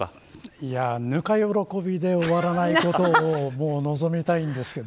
ぬか喜びで終わらないことを望みたいんですけど。